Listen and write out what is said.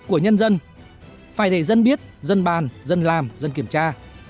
của nhân dân phải để dân biết dân bàn dân làm dân kiểm tra